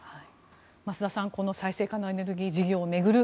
増田さん再生可能エネルギー事業を巡る